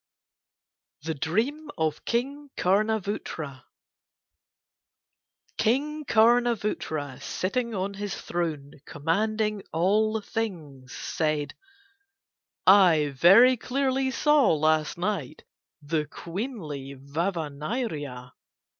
THE DREAM OF KING KARNA VOOTRA King Karna Vootra sitting on his throne commanding all things said: "I very clearly saw last night the queenly Vava Nyria.